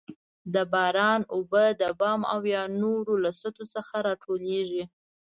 د باران اوبه د بام او یا نورو له سطحې څخه راټولیږي.